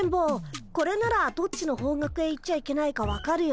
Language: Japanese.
これならどっちの方角へ行っちゃいけないか分かるよ。